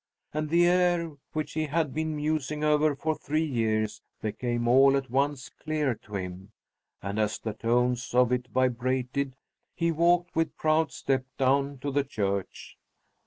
And the air which he had been musing over for three years became all at once clear to him, and as the tones of it vibrated he walked with proud step down to the church.